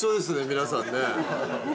皆さんね。